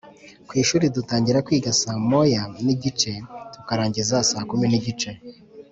kwishuri dutangira kwiga saa moya nigice tukarangiza saa kumi nigice